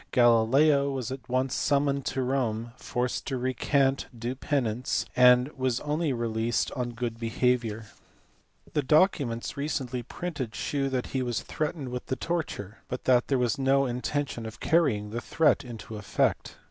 Galileo was at once summoned to Rome, forced to recant, do penance, and was only released on good behaviour. GALILEO. FRANCIS BACON. 253 The documents recently printed shew that he was threatened with the torture, but that there was no intention of carrying the threat into effect.